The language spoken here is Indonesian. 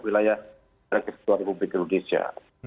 wilayah dan kesejahteraan republik indonesia